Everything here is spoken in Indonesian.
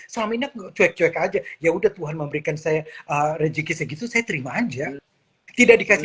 suaminya cuek cuek aja ya udah tuhan memberikan saya rezeki segitu saya terima aja tidak dikasih